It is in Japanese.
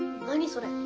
それ。